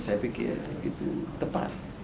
saya pikir itu tepat